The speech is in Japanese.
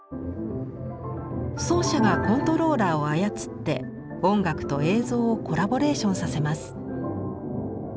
奏者がコントローラーを操って音楽と映像をコラボレーションさせます。